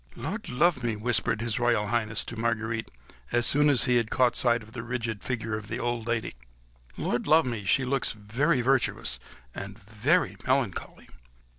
"Lud love me!" whispered His Royal Highness to Marguerite, as soon as he had caught sight of the rigid figure of the old lady; "Lud love me! she looks very virtuous and very melancholy."